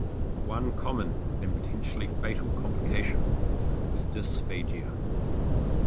One common and potentially fatal complication is dysphagia.